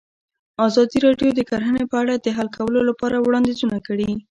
ازادي راډیو د کرهنه په اړه د حل کولو لپاره وړاندیزونه کړي.